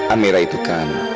amira itu kan